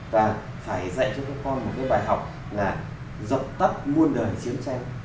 và phải dạy cho các con một cái bài học là dập tắt muôn đời chiến tranh